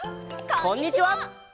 こんにちは！